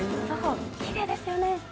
きれいですよね。